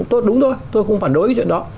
cũng tốt đúng thôi tôi không phản đối với chuyện đó